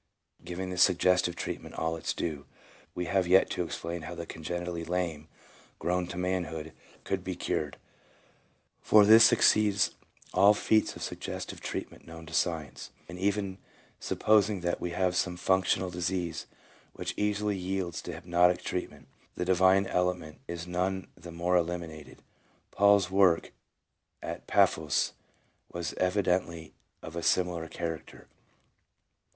Giving the sugges tive treatment all its due, we have yet to explain how the congenitally lame, grown to manhood, could be cured, for this exceeds all feats of suggestive treatment known to science; and even supposing that we have some functional disease which easily yields to hypnotic treatment, the divine element is none the more eliminated. Paul's work at Paphos was evi dently of a similar character.